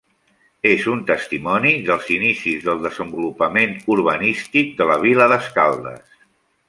És un testimoni dels inicis del desenvolupament urbanístic de la vila d’Escaldes.